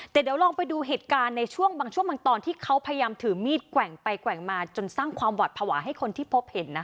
แต่เดี๋ยวลองไปดูเหตุการณ์ในช่วงบางช่วงบางตอนที่เขาพยายามถือมีดแกว่งไปแกว่งมาจนสร้างความหวัดภาวะให้คนที่พบเห็นนะคะ